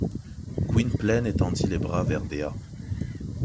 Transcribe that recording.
Gwynplaine étendit les bras vers Dea.